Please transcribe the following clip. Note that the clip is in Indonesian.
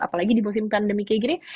apalagi di musim pandemi kayak gini